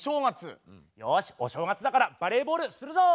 よしお正月だからバレーボールするぞ！